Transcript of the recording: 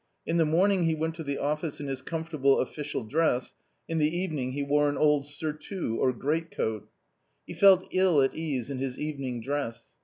In the morning he went to the office in his comfortable official dress, in the evening he wore an old surtout or greatcoat. He felt ill at ease in his evening dress.